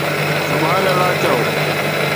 سبحان الله چئو